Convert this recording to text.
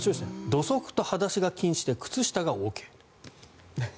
土足と裸足が禁止で靴下はＯＫ。